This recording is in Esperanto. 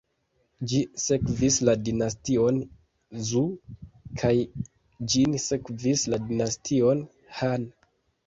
Ĝi sekvis la Dinastion Zhou, kaj ĝin sekvis la Dinastio Han.